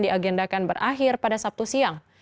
diagendakan berakhir pada sabtu siang